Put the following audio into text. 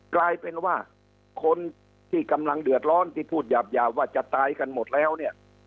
กลายเป็นว่าคนที่กำลังเดือดร้อนที่พูดหยาบว่าจะตายกันหมดแล้วเนี่ย